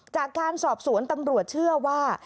จากการสอบสวนตำรวจเชื่อว่า